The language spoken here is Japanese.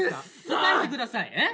「答えてくださいえっ？」